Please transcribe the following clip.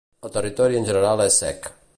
El territori en general és sec.